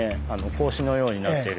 格子のようになっている。